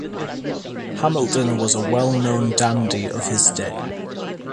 Hamilton was a well-known dandy of his day.